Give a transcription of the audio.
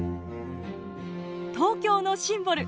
東京のシンボル